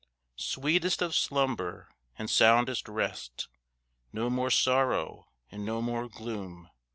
Sweetest of slumber, and soundest rest, No more sorrow, and no more gloom.